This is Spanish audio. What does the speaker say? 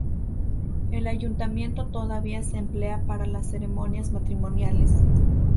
El Ayuntamiento todavía se emplea para las ceremonias matrimoniales.